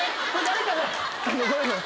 誰かが。